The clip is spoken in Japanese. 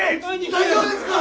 大丈夫ですか！